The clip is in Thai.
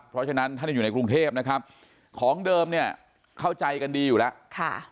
เพราะฉะนั้นถ้าท่านอยู่ในกรุงเทพฯของเดิมเข้าใจกันดีอยู่แล้ว